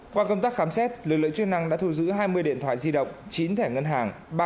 qua công tác khám xét lực lượng chức năng đã thu giữ hai mươi điện thoại di động chín thẻ ngân hàng